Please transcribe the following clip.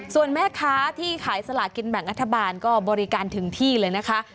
ส่วนแม่ค้าที่ขายสลากินแบ่งรัฐบาลก็บริการถึงที่เลยนะคะ